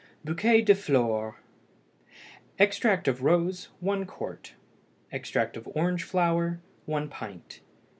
BOUQUET DE FLORE. Extract of rose 1 qt. Extract of orange flower 1 pint.